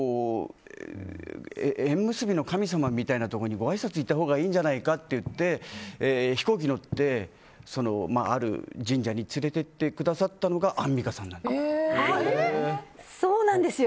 縁結びの神様みたいなところにごあいさつにいったほうがいいんじゃないかといって飛行機に乗って、ある神社に連れて行ってくださったのがアンミカさんなんです。